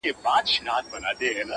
شاعر نه یم زما احساس شاعرانه دی,